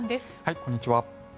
こんにちは。